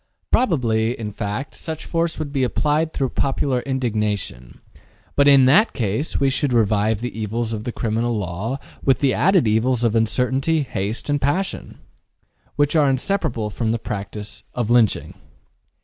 Probably, in fact, such force would be applied through popular indignation, but in that case we should revive the evils of the criminal law with the added evils of uncertainty, haste and passion, which are inseparable from the practice of lynching.